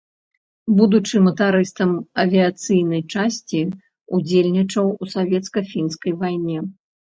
Будучы матарыстам авіяцыйнай часці, удзельнічаў у савецка-фінскай вайне.